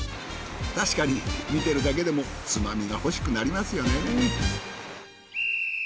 確かに見てるだけでもつまみが欲しくなりますよね。